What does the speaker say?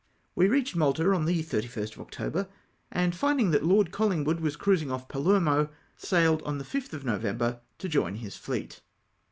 We reached Malta on the 31st of October, and finding that Lord Colhnii'wood was crnisinGf off <0' O) 'Z> Palermo, sailed on the 5th of I^ovember to join his fleet.